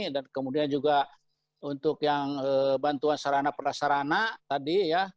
kemudian juga untuk yang bantuan sarana perasarana tadi ya